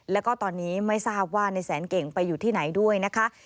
แล้วก็ตอนนี้ไม่ทราบว่าในแสนเก่งไปอยู่ที่ไหนด้วยนะคะ